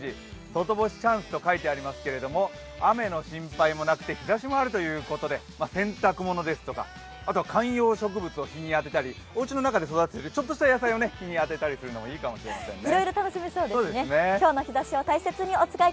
外干しチャンスと書いてありますけど、雨の心配もなく日ざしもあるということで洗濯物ですとか観葉植物を日に当てたりおうちの中で育てている、ちょっとした野菜をというのもいいかもしれませんね。